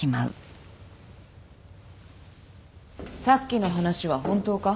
さっきの話は本当か？